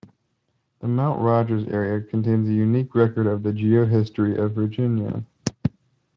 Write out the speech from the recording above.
The Mount Rogers area contains a unique record of the geohistory of Virginia.